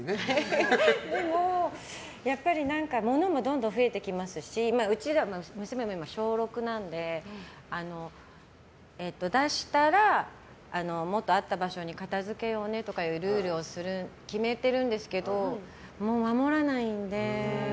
でも、やっぱり物がどんどん増えてきますしうちは娘も小６なんで出したら元あった場所に片付けようねとかいうルールを決めてるんですけど守らないので。